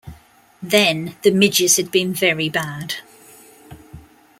Then the midges had been very bad.